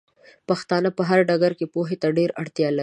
پښتانۀ په هر ډګر کې پوهې ته ډېره اړتيا لري